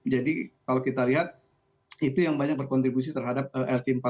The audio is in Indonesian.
jadi kalau kita lihat itu yang banyak berkontribusi terhadap lk empat puluh lima